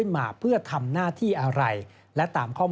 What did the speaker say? ซึ่งกลางปีนี้ผลการประเมินการทำงานขององค์การมหาชนปี๒ประสิทธิภาพสูงสุด